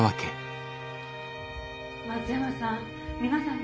・松山さん